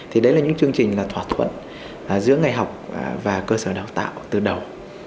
thì đấy là những chương trình là thỏa thuận giữa ngày học và cơ sở đào tạo từ đầu